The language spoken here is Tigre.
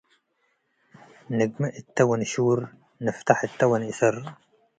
ንግሜ እተ ወንሹር ንፍተሕ እተ ወንእሰር